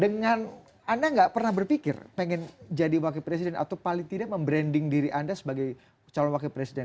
dengan anda nggak pernah berpikir pengen jadi wakil presiden atau paling tidak membranding diri anda sebagai calon wakil presiden